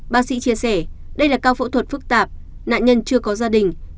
bác sĩ chia sẻ đây là ca phẫu thuật phức tạp nạn nhân chưa có gia đình